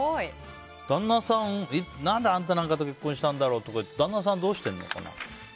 旦那さん、何であんたなんかと結婚したんだろって旦那さんはどうしてるんですかね。